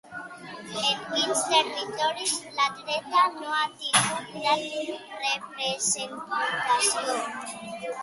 En quins territoris la dreta no ha tingut gran representació?